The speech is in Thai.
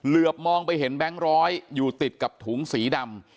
มองไปเห็นแบงค์ร้อยอยู่ติดกับถุงสีดำ